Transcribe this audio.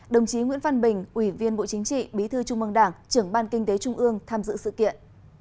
đồng chí nguyễn văn bình ủy viên bộ chính trị bí thư trung mong đảng trưởng ban kinh tế trung ương tham dự sự kiện